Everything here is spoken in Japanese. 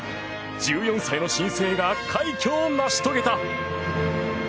１４歳の新星が快挙を成し遂げた。